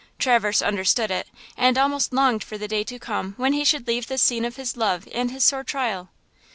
Traverse understood it and almost longed for the day to come when he should leave this scene of his love and his sore trial.